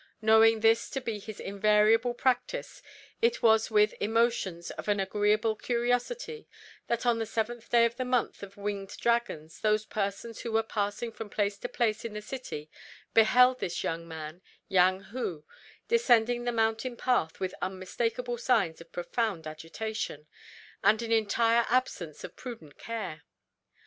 Knowing this to be his invariable practice, it was with emotions of an agreeable curiosity that on the seventh day of the month of Winged Dragons those persons who were passing from place to place in the city beheld this young man, Yang Hu, descending the mountain path with unmistakable signs of profound agitation, and an entire absence of prudent care.